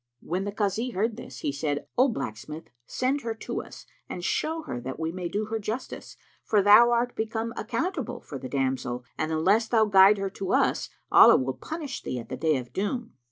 When the Kazi heard this, he said, "O blacksmith, send her to us and show her that we may do her justice, for thou art become accountable for the damsel and unless thou guide her to us, Allah will punish thee at the Day of Doom."